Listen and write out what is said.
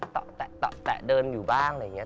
แตะเดินอยู่บ้างอะไรอย่างนี้